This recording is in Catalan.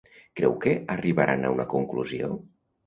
Creu que arribaran a una conclusió?